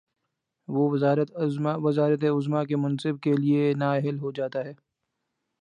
وہ وزارت عظمی کے منصب کے لیے نااہل ہو جا تا ہے۔